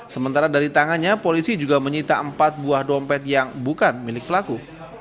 sementara dari tangannya polisi juga menyita empat buah dompet yang bukan milik pelaku